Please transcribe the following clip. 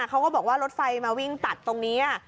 เขาก็บอกว่ารถไฟมาวิ่งตัดตรงนี้